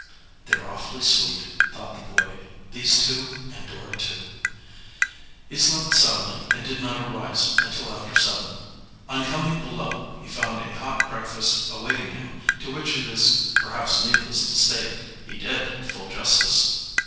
"They're awfully sweet," thought the boy, "these two, and Dora too." He slept soundly, and did not arise until after seven. On coming below he found a hot breakfast awaiting him, to which it is perhaps needless to state he did full justice.